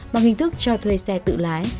bằng hình thức cho thuê xe tự lái